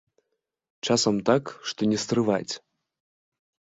Часам так, што не стрываць.